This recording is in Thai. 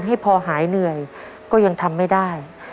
ให้พอหายเหนื่อยก็ยังทำไม่ได้